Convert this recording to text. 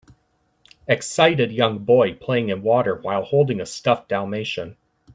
Excited young boy playing in water while holding a stuffed Dalmatian.